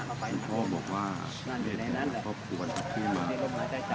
เอาไปพ่อบอกว่านั่นอยู่ในนั้นแหละพ่อพูดว่าจะขึ้นมา